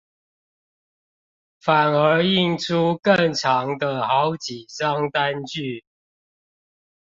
反而印出更長的好幾張單據